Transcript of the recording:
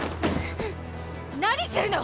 何するの！